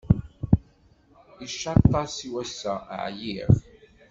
Icaṭ-as i wassa, ɛyiɣ.